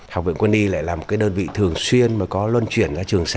học viện quân y lại là một đơn vị thường xuyên mà có luân chuyển